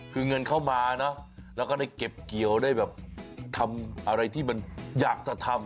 คือเงินเข้ามาเนอะแล้วก็ได้เก็บเกี่ยวได้แบบทำอะไรที่มันอยากจะทำ